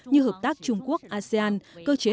như hợp tác trung quốc asean cơ chế